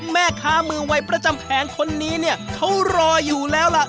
แม่ค้ามือวัยประจำแผงคนนี้เนี่ยเขารออยู่แล้วล่ะ